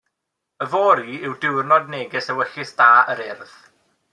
Yfory yw Diwnrod Neges Ewyllys Da yr Urdd.